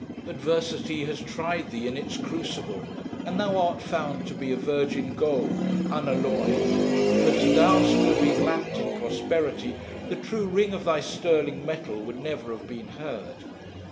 Adversity has tried thee in its crucible, and thou art found to be of virgin gold, unalloyed; hadst thou still been lapped in prosperity, the true ring of thy sterling metal would never have been heard.